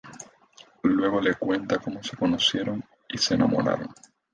Luego le cuenta cómo se conocieron y se enamoraron.